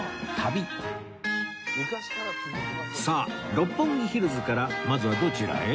さあ六本木ヒルズからまずはどちらへ？